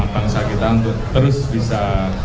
bangsa kita untuk terus bisa